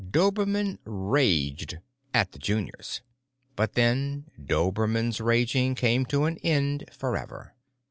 Dobermann raged—at the juniors. But then Dobermann's raging came to an end forever.